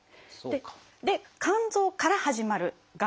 で肝臓から始まるがん